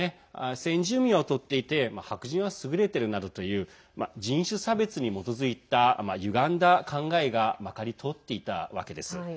先住民は劣っていて白人は優れているなどという人種差別に基づいたゆがんだ考えがまかり通っていたわけです。